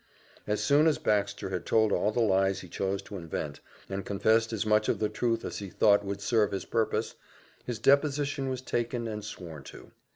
As soon as Baxter had told all the lies he chose to invent, and confessed as much of the truth as he thought would serve his purpose, his deposition was taken and sworn to.